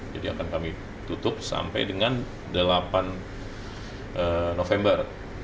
jadi akan kami tutup sampai dengan delapan november